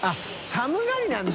寒がりなんだ。